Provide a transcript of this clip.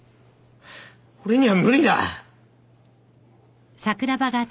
俺には無理だ！